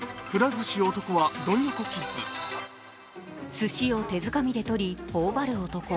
すしを手づかみで取り、ほおばる男。